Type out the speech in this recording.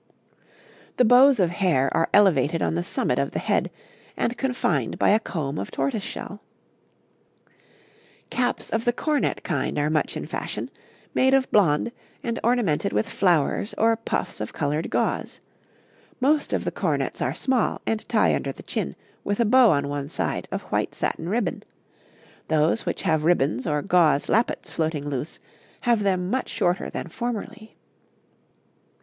'The bows of hair are elevated on the summit of the head, and confined by a comb of tortoise shell. 'Caps of the cornette kind are much in fashion, made of blond, and ornamented with flowers, or puffs of coloured gauze; most of the cornettes are small, and tie under the chin, with a bow on one side, of white satin ribbon; those which have ribbons or gauze lappets floating loose have them much shorter than formerly.